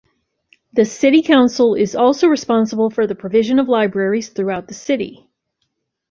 The city council is also responsible for the provision of libraries throughout the city.